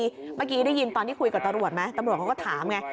เมื่อกี้ได้ยินตอนที่คุยกับตำรวจไหมตำรวจเขาก็ถามไง